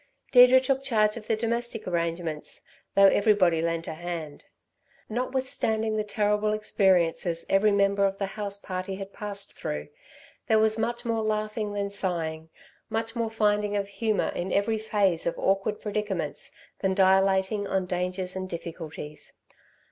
Deirdre took charge of the domestic arrangements, though everybody lent a hand. Notwithstanding the terrible experiences every member of the house party had passed through, there was much more laughing than sighing, much more finding of humour in every phase of awkward predicaments than dilating on dangers and difficulties.